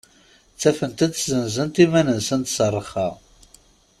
Ttafent-d senzent iman-nsent s rrxa.